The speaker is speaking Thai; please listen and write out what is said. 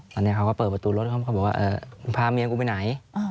ตอนนี้เขาก็เปิดประตูรถเขาก็บอกว่ามึงพาเมียกูไปไหน